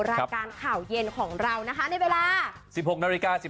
รายการข่าวเย็นของเรานะคะในเวลา